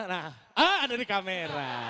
nah ada di kamera